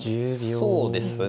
そうですね。